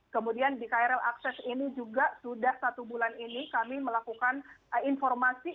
kemudian di krl akses ini juga sudah satu bulan ini kami melakukan informasi